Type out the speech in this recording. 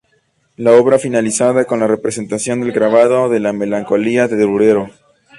La obra finaliza con la representación del Grabado de la Melancolía de Durero.